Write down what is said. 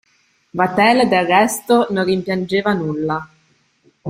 Vatel, del resto, non rimpiangeva nulla.